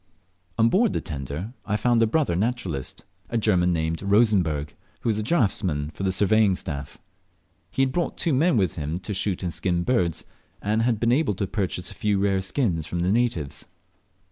On board the tender I found a brother naturalist, a German named Rosenberg, who was draughtsman to the surveying staff. He had brought two men with him to shoot and skin birds, and had been able to purchase a few rare skins from the natives.